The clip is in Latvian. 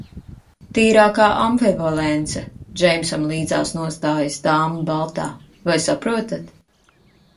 "Tīrākā ambivalence," Džeimsam līdzās nostājas dāma baltā, "vai saprotat?"